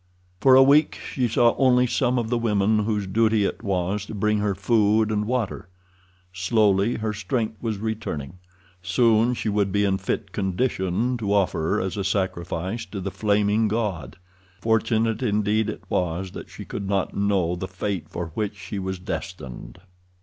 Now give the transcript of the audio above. For a week she saw only some of the women whose duty it was to bring her food and water. Slowly her strength was returning—soon she would be in fit condition to offer as a sacrifice to The Flaming God. Fortunate indeed it was that she could not know the fate for which she was destined.